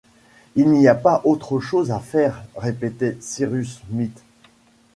Il n’y a pas autre chose à faire! répétait Cyrus Smith.